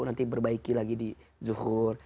nanti perbaiki lagi di zuhur